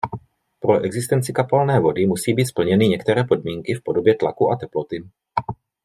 Pro existenci kapalné vody musí být splněny některé podmínky v podobě tlaku a teploty.